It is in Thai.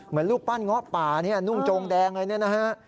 เหมือนลูกปั้นเงาะป่านี่นุ่งโจงแดงเลยนะฮะ